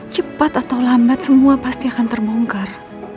cepat atau lambat semua pasti akan terbongkar